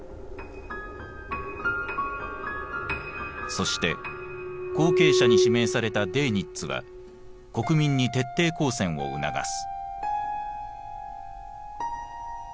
そして後継者に指名されたデーニッツは国民に徹底抗戦を促す。